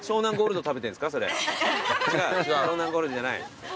湘南ゴールドじゃない？